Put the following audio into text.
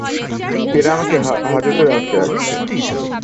এরা আমাকে হাজতে আটকে রেখেছে?